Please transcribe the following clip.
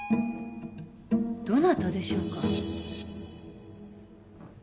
どなたでしょうか？